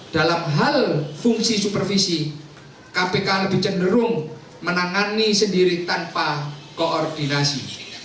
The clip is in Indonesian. dalam hal fungsi supervisi kpk lebih cenderung menangani sendiri tanpa koordinasi